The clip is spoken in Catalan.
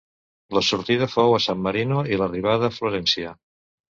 La sortida fou a San Marino i l'arribada a Florència.